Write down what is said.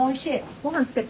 ごはんつけて？